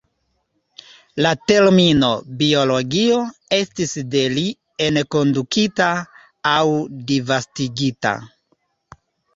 La termino "biologio" estis de li enkondukita aŭ disvastigita.